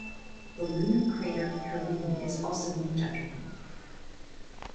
The lunar crater Perrine is also named after him.